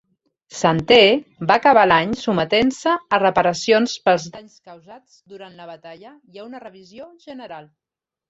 "Santee" va acabar l'any sotmetent-se a reparacions pels danys causats durant la batalla i a una revisió general.